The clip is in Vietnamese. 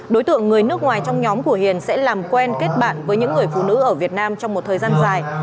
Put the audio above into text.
đối tượng người nước ngoài trong nhóm của hiền sẽ làm quen kết bạn với những người phụ nữ ở việt nam trong một thời gian dài